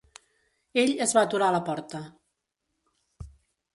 Ell es va aturar a la porta.